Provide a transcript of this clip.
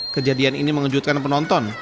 kejadian ini mengejutkan penonton